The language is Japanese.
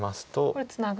これツナぐと。